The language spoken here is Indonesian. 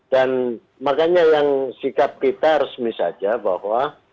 dan makanya yang sikap kita resmi saja bahwa